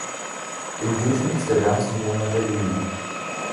Im Durchschnitt ist der wärmste Monat der Juli.